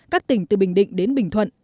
các tỉnh từ bình định đến bình thuận